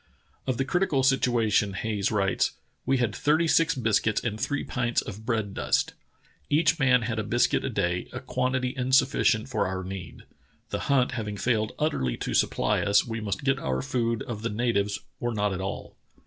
Of the critical situation Hayes writes: "We had thirty six biscuits and three pints of bread dust. Each man had a biscuit a day, a quantity insufficient for our need. The hunt having failed utterly to supply us, we must get our food of the natives or not at all.